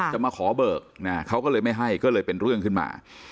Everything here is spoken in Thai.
จะมาขอเบิกเขาก็เลยไม่ให้ก็เลยเป็นเรื่องขึ้นมา